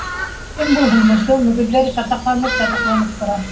— Кем булһын, мышы, мөгөҙҙәре сатаҡланып-сатаҡла- нып тора